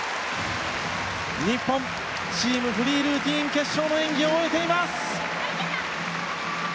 日本、チームフリールーティン決勝の演技を終えています。